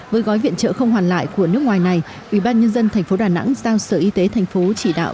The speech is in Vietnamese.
với gói viện trợ không hoàn lại của nước ngoài này ubnd tp đà nẵng giao sở y tế thành phố chỉ đạo